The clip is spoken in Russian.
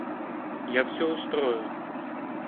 Я всё устрою.